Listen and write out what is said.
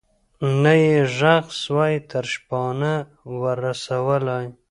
نه یې ږغ سوای تر شپانه ور رسولای